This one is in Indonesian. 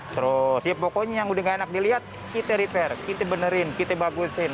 terus ya pokoknya yang udah gak enak dilihat kita repair kita benerin kita bagusin